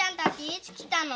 いつ来たの？